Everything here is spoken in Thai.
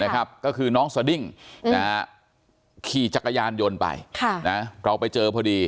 ก็คือน้องสดิ้งขี่จักรยานยนต์ไปเราไปเจอพอดี